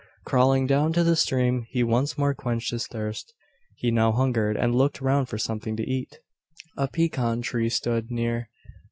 Crawling down to the stream, he once more quenched his thirst. He now hungered; and looked round for something to eat. A pecan tree stood, near.